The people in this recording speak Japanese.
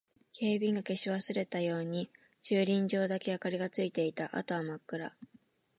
警備員が消し忘れたように駐輪場だけ明かりがついていた。あとは真っ暗。